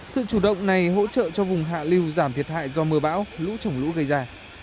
sự chủ động này hỗ trợ cho vùng hạ lưu giảm thiệt hại do mưa bão lũ trồng lũ gây ra